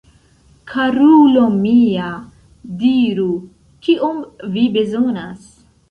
Karulo mia, diru, kiom vi bezonas?